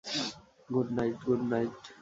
Good night, - good night.